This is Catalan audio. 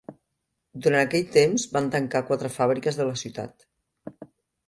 Durant aquell temps van tancar quatre fàbriques de la ciutat.